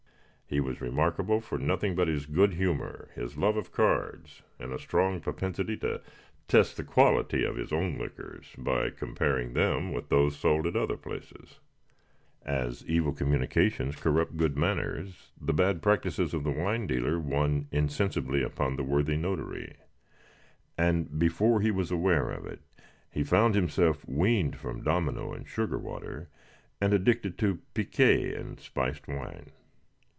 He was remarkable for nothing but his good humor, his love of cards, and a strong propensity to test the quality of his own liquors by comparing them with those sold at other places. As evil communications corrupt good manners, the bad practices of the wine dealer won insensibly upon the worthy notary; and before he was aware of it, he found himself weaned from domino and sugar water, and addicted to piquet and spiced wine.